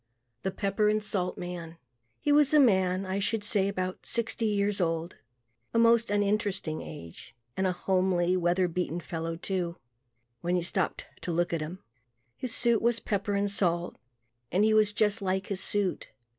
The Pepper and Salt Man He was a man, I should say about sixty years old, a most uninteresting age, and a homely, weather beaten fellow too, when you stopped to look at him. His suit was pepper and salt, and he was just like his suit.